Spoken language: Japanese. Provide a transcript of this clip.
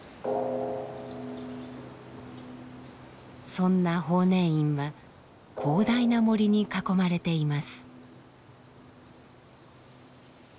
そんな法然院は広大な森に囲まれています。